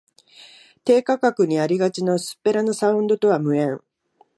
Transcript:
低価格にありがちな薄っぺらなサウンドとは無縁